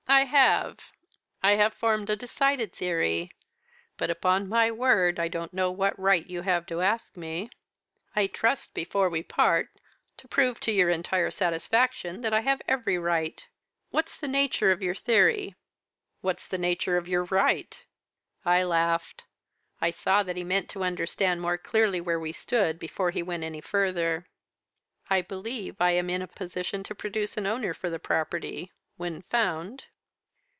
"'I have I have formed a decided theory. But, upon my word, I don't know what right you have to ask me.' "'I trust, before we part, to prove to your entire satisfaction that I have every right. What's the nature of your theory?' "'What's the nature of your right?' "I laughed. I saw that he meant to understand more clearly where we stood before he went any further. "'I believe I am in a position to produce an owner for the property when found.'